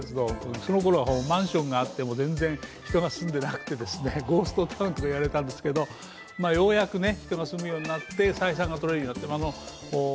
その頃はマンションがあっても全然人が住んでなくてゴーストタウンとか言われたんですけれども、ようやく人が住むようになって採算が取れるようになって。